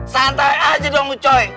santai aja dong ucoy